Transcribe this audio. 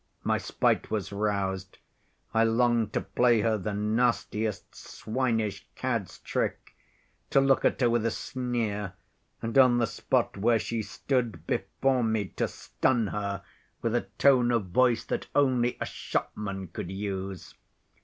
My spite was roused. I longed to play her the nastiest swinish cad's trick: to look at her with a sneer, and on the spot where she stood before me to stun her with a tone of voice that only a shopman could use.